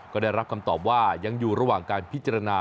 ก็ได้รับคำตอบว่ายังอยู่ระหว่างการพิจารณา